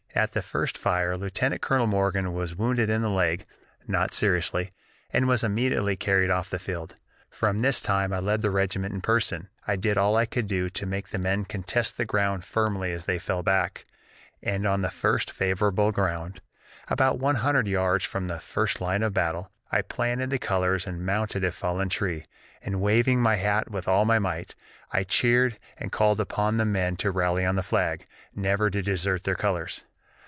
At the first fire Lieutenant Colonel Morgan was wounded in the leg (not seriously), and was immediately carried off the field. From this time I led the regiment in person. I did all I could to make the men contest the ground firmly as they fell back, and on the first favorable ground, about one hundred yards from the first line of battle, I planted the colors and mounted a fallen tree, and, waving my hat with all my might, I cheered and called upon the men to rally on the flag never to desert their colors.